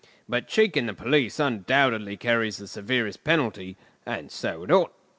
But cheeking the police undoubtedly carries the severest penalty; and so it ought.